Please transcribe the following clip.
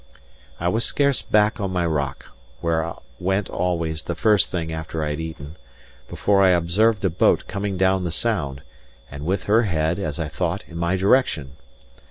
I was scarce back on my rock (where I went always the first thing after I had eaten) before I observed a boat coming down the Sound, and with her head, as I thought, in my direction.